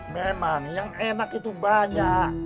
memang yang enak itu banyak